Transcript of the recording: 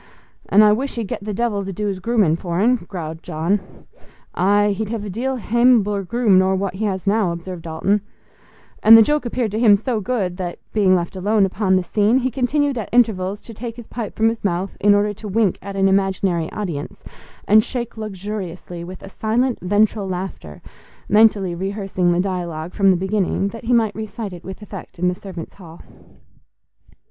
"An' I wish he'd get the devil to do's grooming for'n," growled John. "Aye; he'd hev a deal haimabler groom nor what he has now," observed Dalton—and the joke appeared to him so good that, being left alone upon the scene, he continued at intervals to take his pipe from his mouth in order to wink at an imaginary audience and shake luxuriously with a silent, ventral laughter, mentally rehearsing the dialogue from the beginning, that he might recite it with effect in the servants' hall.